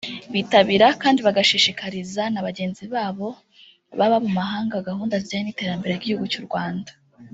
bitabira kandi bagashishikariza na bagenzi babo baba mu mahanga gahunda zijyanye n’iterambere ry’igihugu cy’u Rwanda